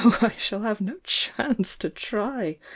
"Though I shall have no chance to try!